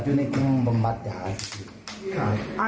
เป็นอย่างที่ต้องฟังเพื่อนาย